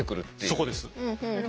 そこです。